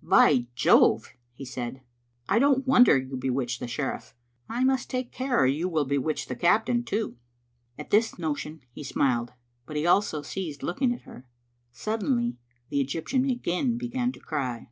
" By Jove!" he said, I don't wonder you bewitched the sheriff. I must take care or you will bewitch the captain, too." At this notion he smiled, but he also ceased looking at her. Suddenly the Egyptian again began to cry.